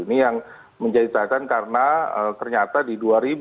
ini yang menjadikan karena ternyata di dua ribu dua puluh dua